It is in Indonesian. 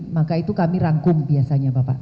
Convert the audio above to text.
maka itu kami rangkum biasanya bapak